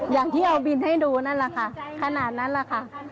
อย่างที่เอาบินให้ดูนั่นแหละค่ะขนาดนั้นแหละค่ะ